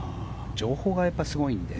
情報がすごいので。